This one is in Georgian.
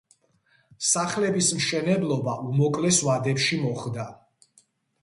სახლების მშენებლობა უმოკლეს ვადებში მოხდა.